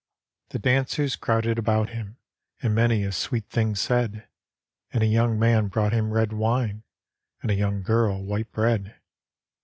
The dancers crowded about him, And many a sweet thing said, And a young man brou^t him red wine, And a young girl white bread.